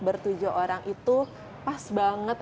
bertujuh orang itu pas banget